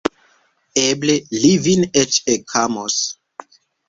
Eble, li vin eĉ ekamos.